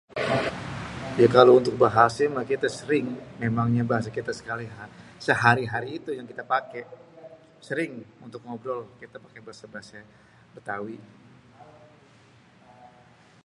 Ya kalo untuk bahasé mah kita sering memangnye bahasé kite sehari-hari itu yang kita paké. Sering untuk ngobrol kita pake bahasa-bahasa Bétawi.